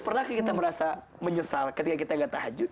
pernahkah kita merasa menyesal ketika kita gak tahajud